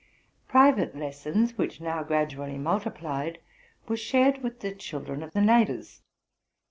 Private lessons, which now gradually multiplied, were shared with the children of the neighbors.